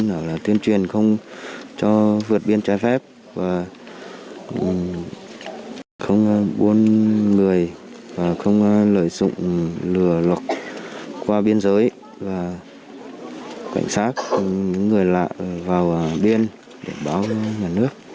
là tuyên truyền không cho vượt biên trái phép và không buôn người và không lợi dụng lừa qua biên giới và cảnh sát những người lạ vào biên để báo bên nhà nước